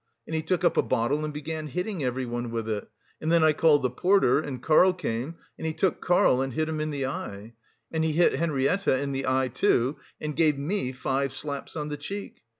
And he took up a bottle and began hitting everyone with it. And then I called the porter, and Karl came, and he took Karl and hit him in the eye; and he hit Henriette in the eye, too, and gave me five slaps on the cheek.